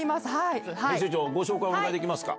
編集長ご紹介お願いできますか。